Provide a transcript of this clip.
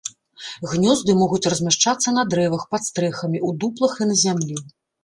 Гнёзды могуць размяшчацца на дрэвах, пад стрэхамі, у дуплах і на зямлі.